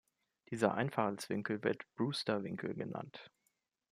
Dieser Einfallswinkel wird Brewster-Winkel genannt.